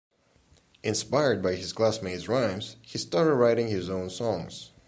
Inspired by his classmate's rhymes, he started writing his own songs.